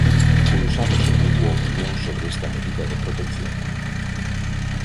Pulsamos en Vigo a opinión sobre esta medida de protección.